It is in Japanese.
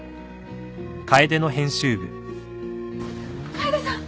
楓さん！